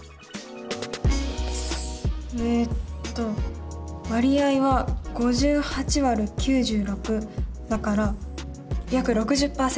えっと割合は５８÷９６だから約６０％。